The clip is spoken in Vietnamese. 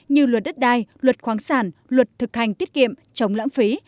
như luật đất đai luật khoáng sản luật thực hành tiết kiệm chống lãng phí